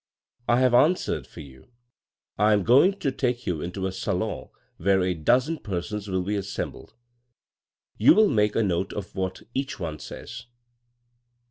I have answered for you. I am going to take you into a salon where a dozen persons will he assembled. You will make a note of what each one says.